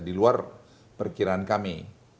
di luar perkiraan kami